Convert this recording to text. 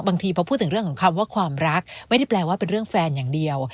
บางทีพอพูดถึงเรื่องของคำว่าความรักไม่ได้แปลว่าเป็นเรื่องแฟนอย่างเดียว